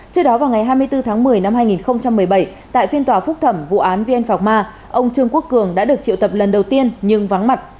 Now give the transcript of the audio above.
trước đó vào ngày hai mươi bốn tháng một mươi năm hai nghìn một mươi bảy tại phiên tòa phúc thẩm vụ án vn phạc ma ông trương quốc cường đã được triệu tập lần đầu tiên nhưng vắng mặt